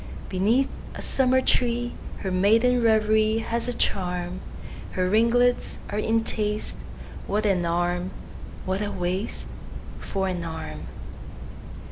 Beneath a summer tree, Her maiden reverieHas a charm; Her ringlets are in taste; What an arm!… what a waistFor an arm!